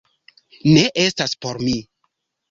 Ne estas por mi